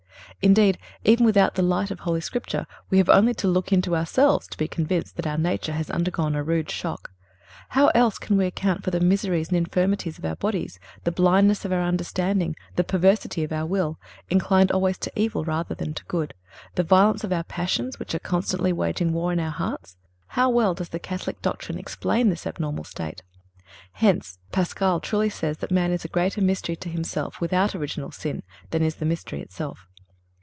Indeed, even without the light of Holy Scripture, we have only to look into ourselves to be convinced that our nature has undergone a rude shock. How else can we account for the miseries and infirmities of our bodies, the blindness of our understanding, the perversity of our will—inclined always to evil rather than to good—the violence of our passions, which are constantly waging war in our hearts? How well does the Catholic doctrine explain this abnormal state. Hence, Paschal truly says that man is a greater mystery to himself without original sin than is the mystery itself.